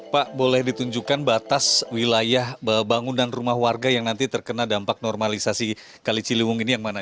pak boleh ditunjukkan batas wilayah bangunan rumah warga yang nanti terkena dampak normalisasi kali ciliwung ini yang mana